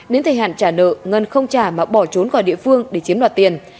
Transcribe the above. đến thời hạn trả nợ ngân không trả mà bỏ trốn khỏi địa phương để chiếm đoạt tiền